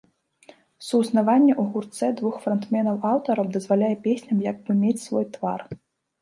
Суіснаванне ў гурце двух фронтмэнаў-аўтараў дазваляе песням як бы мець свой твар.